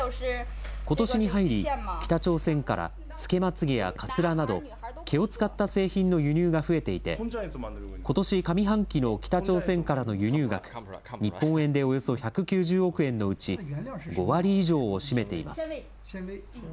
ことしに入り、北朝鮮からつけまつげやかつらなど、毛を使った製品の輸入が増えていて、ことし上半期の北朝鮮からの輸入額、日本円でおよそ１９０億円のうち、５割以上を占めています。